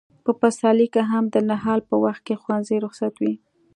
په پسرلي کې هم د نهال په وخت کې ښوونځي رخصت وي.